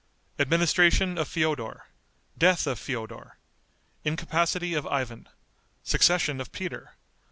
Administration of Feodor. Death of Feodor. Incapacity of Ivan. Succession of Peter.